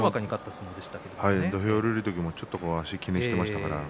土俵下りる時ちょっと足を気にしていました。